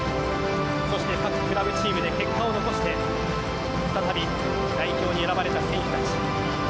そして、各クラブチームで結果を残して再び、代表に選ばれた選手たち。